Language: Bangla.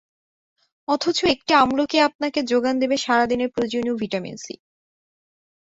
অথচ একটি আমলকি আপনাকে জোগান দেবে সারা দিনের প্রয়োজনীয় ভিটামিন সি।